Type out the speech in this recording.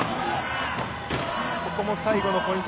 ここも最後のポイント